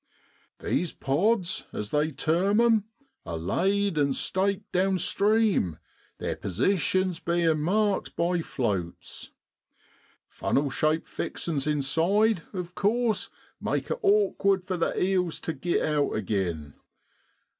These ' pods,' as they term 'em, are laid and staked down stream, their positions bein' marked by floats. Funnel shaped fixin's inside, of course, make it OCTOBER IN BROADLAND. 105 awkward for the eels to get out agin.